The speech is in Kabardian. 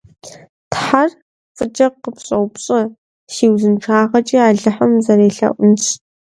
Тхьэр фӀыкӀэ къыпщӀэупщӀэ, – си узыншагъэкӀи Алыхьым узэрелъэӀунщ.